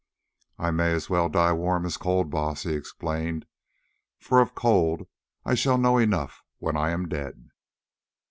"I may as well die warm as cold, Baas," he explained, "for of cold I shall know enough when I am dead."